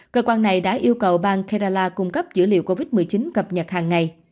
cơ quan này đã yêu cầu bang karala cung cấp dữ liệu covid một mươi chín cập nhật hàng ngày